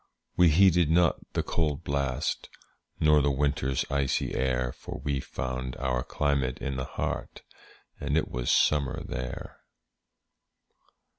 We heeded not the cold blast, Nor the winter's icy air; For we found our climate in the heart, And it was summer there.